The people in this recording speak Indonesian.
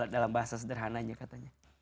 dalam bahasa sederhananya katanya